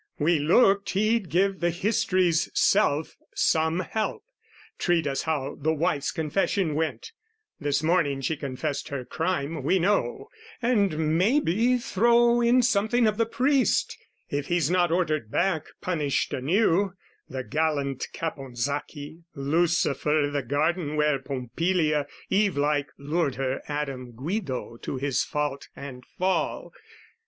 We looked he'd give the history's self some help, Treat us to how the wife's confession went (This morning she confessed her crime, we know) And, may be, throw in something of the Priest If he's not ordered back, punished anew, The gallant, Caponsacchi, Lucifer I' the garden where Pompilia, Eve like, lured Her Adam Guido to his fault and fall.